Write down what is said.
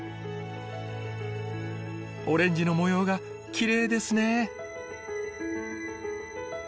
オレンジの模様がきれいですね。